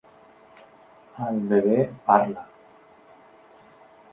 El bebè PARLA!